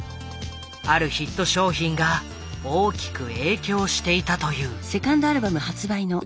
あるヒット商品が大きく影響していたという。